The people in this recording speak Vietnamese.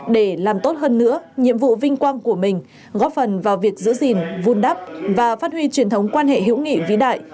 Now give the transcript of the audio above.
để làm tốt hơn nữa nhiệm vụ vinh quang của mình góp phần vào việc giữ gìn vun đắp và phát huy truyền thống quan hệ hữu nghị vĩ đại